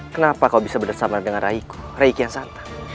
kenapa kau bisa bersama dengan raiku raiki yang santan